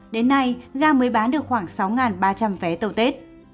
đến nay ga mới bán được khoảng sáu ba trăm linh vé tàu tết